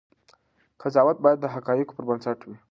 قضاوت باید د حقایقو پر بنسټ وي.